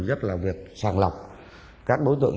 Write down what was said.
rất là việc sàng lọc các đối tượng